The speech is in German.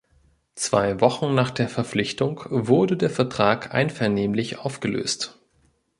Zwei Wochen nach der Verpflichtung wurde der Vertrag einvernehmlich aufgelöst.